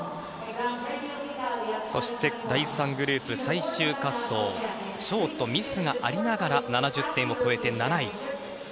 そして第３グループ最終滑走ショート、ミスがありながら７０点を超えて７位。